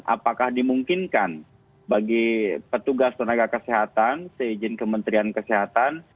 apakah dimungkinkan bagi petugas tenaga kesehatan seizin kementerian kesehatan